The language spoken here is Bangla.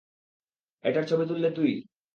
এটার ছবি তুললি তুই?